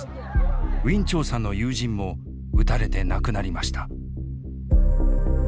ウィン・チョウさんの友人も撃たれて亡くなりました。